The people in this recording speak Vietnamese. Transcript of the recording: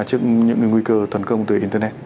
trước những cái nguy cơ toàn công từ internet